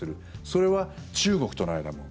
それは中国との間も。